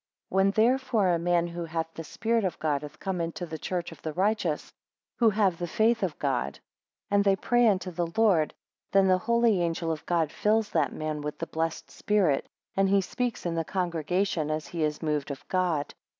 7 When therefore a man who hath the Spirit of God hath come into the church of the righteous, who have the faith of God, and they pray unto the Lord; then the holy angel of God fills that man with the blessed Spirit, and he speaks in the congregation as he is moved of God.